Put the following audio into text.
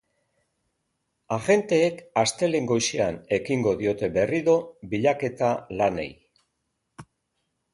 Agenteek astelehen goizean ekingo diote berriro bilaketa lanei.